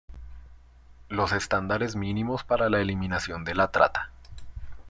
Los estándares mínimos para la eliminación de la trata.